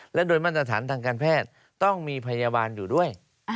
และโดยมาตรฐานทางการแพทย์ต้องมีพยาบาลอยู่ด้วย